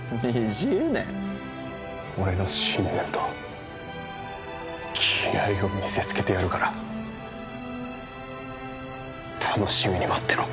俺の信念と気合を見せつけてやるから楽しみに待ってろ。